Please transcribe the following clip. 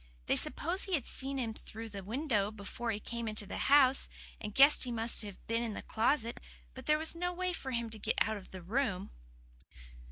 They supposed he had seen him through the window before he came into the house, and guessed he must be in the closet because there was no way for him to get out of the room."